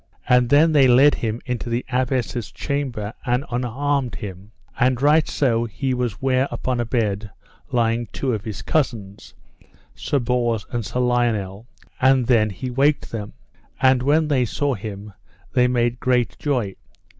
And then they led him unto the Abbess's chamber and unarmed him; and right so he was ware upon a bed lying two of his cousins, Sir Bors and Sir Lionel, and then he waked them; and when they saw him they made great joy.